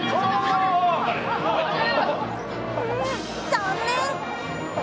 残念。